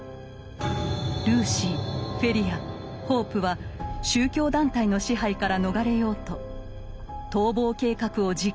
ルーシーフェリアホープは宗教団体の支配から逃れようと逃亡計画を実行したのです。